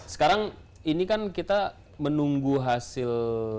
sekarang ini kan kita menunggu hasil